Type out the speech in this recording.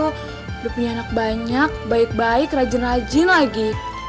sudah punya anak banyak baik baik rajin rajin lagi